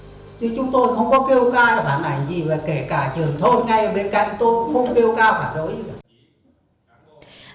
chứ chúng tôi không có kêu ca phản ảnh gì kể cả trường thôn ngay bên cạnh tôi không kêu ca phản ảnh gì cả